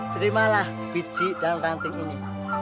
terimalah biji dalam ranting ini